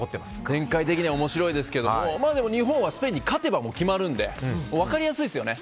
展開的には面白いですが日本はスペインに勝てば決まるんで分かりやすいですよね。